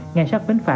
ngay sát vĩnh phạ